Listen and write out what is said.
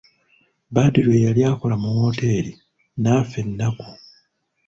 Badru eyali akola mu wooteri n'affa ennaku.